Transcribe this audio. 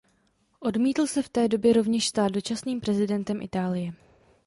Odmítl se v té době rovněž stát dočasným prezidentem Itálie.